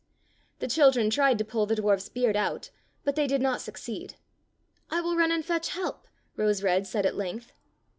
'' The children tried to pull the dwarf's beard out, but they did not succeed. "I will run and fetch help," Rose red said at length.